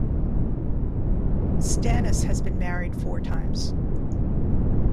Stanis has been married four times.